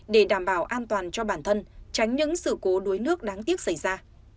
để đảm bảo an toàn cho bản thân tránh những sự cố đuối nước đáng tiếc xảy ra